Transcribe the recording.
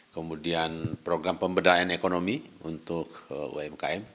kemudian program pemberdayaan ekonomi untuk umkm